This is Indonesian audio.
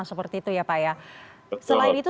seperti itu ya pak ya selain itu